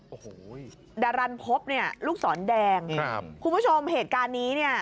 โอ้โหดารันพบเนี่ยลูกศรแดงครับคุณผู้ชมเหตุการณ์นี้เนี่ย